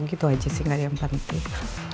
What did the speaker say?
gitu aja sih gak ada yang penting